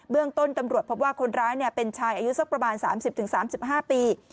เรื่องต้นตำรวจพบว่าคนร้ายเป็นชายอายุสักประมาณ๓๐๓๕ปี